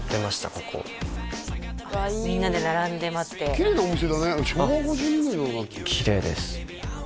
ここみんなで並んで待ってきれいなお店だね昭和５２年なんだきれいです